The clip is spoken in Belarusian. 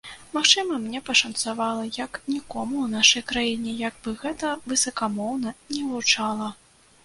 Магчыма, мне пашанцавала, як нікому ў нашай краіне, як бы гэта высакамоўна не гучала.